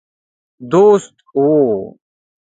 دوست وو.